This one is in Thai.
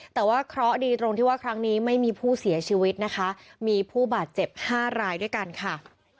แต่ว่าเคราะห์ดีตรงที่ว่าครั้งนี้ไม่มีผู้เสียชีวิตนะคะมีผู้บาดเจ็บ๕รายด้วยกันค่ะ